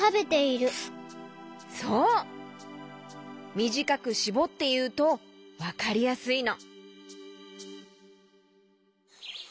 みじかくしぼっていうとわかりやすいの。